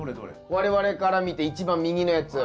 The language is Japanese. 我々から見て一番右のやつ。